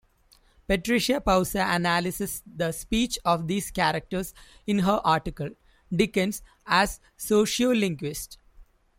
Patricia Poussa analyses the speech of these characters in her article "Dickens as Sociolinguist".